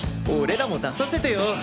俺らも出させてよ！